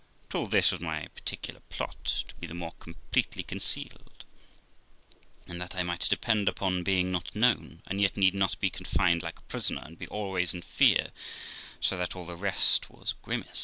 But all this was my particular plot, to be the more completely concealed, and that I might depend upon being not known, and yet need not be confined like a prisoner and be always in fear ; so that all the rest was grimace.